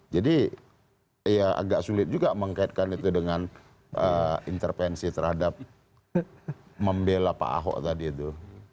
jadi ya agak sulit juga mengkaitkan itu dengan intervensi terhadap membela pak ahok tadi itu